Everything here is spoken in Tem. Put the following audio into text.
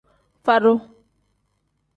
Fadu.